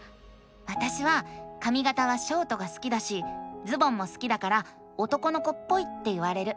わたしはかみがたはショートが好きだしズボンも好きだから男の子っぽいって言われる。